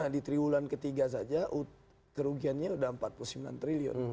di triwulan ketiga saja kerugiannya sudah empat puluh sembilan triliun